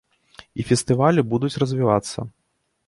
І фестывалі будуць развівацца.